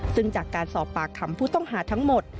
ซึ่งจากการสอบปากคำผู้ต้องหาทั้งหมด